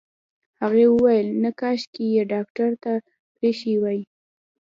هغې وويل نه کاشکې يې ډاکټر ته پرېښې وای.